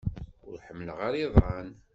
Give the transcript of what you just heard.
Ur ḥemmleɣ ara iḍan.